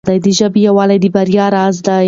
د پښتنو یووالی د بریا راز دی.